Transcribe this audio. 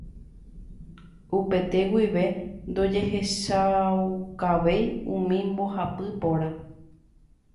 Upete guive ndojehechaukavéi umi mbohapy póra.